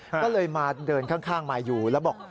ก็เลยมาเดินข้างมาอยู่แล้วบอก